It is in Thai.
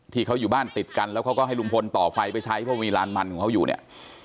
ที่เขาอยู่บ้านติดกันแล้วเขาก็ให้ลุงพลต่อไฟไปใช้เพราะมีลานมันของเขาอยู่เนี่ย